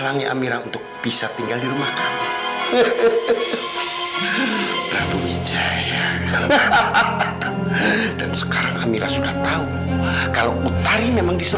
jangan jangan semalam yang datang itu memang ibu